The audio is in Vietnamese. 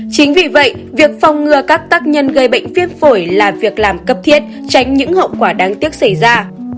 chính vì vậy việc phòng ngừa các tác nhân gây bệnh viêm phổi là việc làm cấp thiết tránh những hậu quả đáng tiếc xảy ra